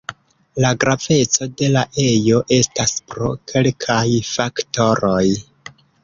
La graveco de la ejo estas pro kelkaj faktoroj.